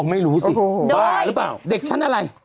ไม่รู้สิบ้าหรือเปล่าเด็กชั้นอะไร